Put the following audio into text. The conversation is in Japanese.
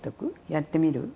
やってみる？